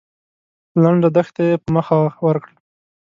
لنډه دښته يې په مخه ورکړه.